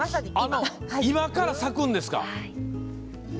今から咲くんですか？